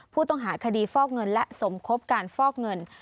ผู้ต้องหาคดีฟอกเงินและสมคบการฟอกเงิน